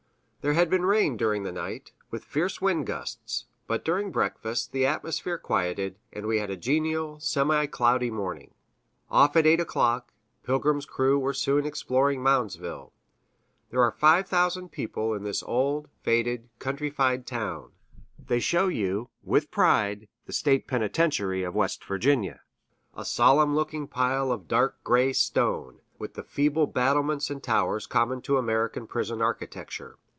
There had been rain during the night, with fierce wind gusts, but during breakfast the atmosphere quieted, and we had a genial, semi cloudy morning. Off at 8 o'clock, Pilgrim's crew were soon exploring Moundsville. There are five thousand people in this old, faded, countrified town. They show you with pride the State Penitentiary of West Virginia, a solemn looking pile of dark gray stone, with the feeble battlements and towers common to American prison architecture.